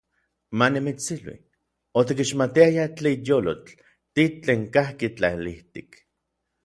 Manimitsilui, otikixmatiayaj tlilyolotl, tlitl tlen kajki tlalijtik.